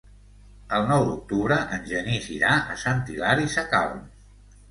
El nou d'octubre en Genís irà a Sant Hilari Sacalm.